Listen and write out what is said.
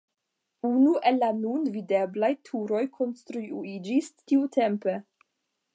Unu el la nun videblaj turoj konstruiĝis tiutempe.